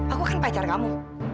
aku kan pacar kamu